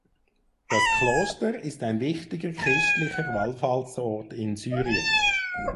Das Kloster ist ein wichtiger christlicher Wallfahrtsort in Syrien.